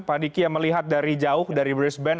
pak diki yang melihat dari jauh dari brisbane